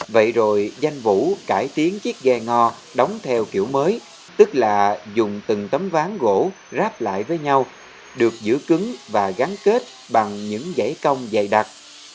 vậy rồi danh vũ cải tiến chiếc ghe ngò đóng theo kiểu mới tức là dùng từng tấm ván gỗ ráp lại với nhau được giữ cứng và gắn kết bằng những giải công dày đặc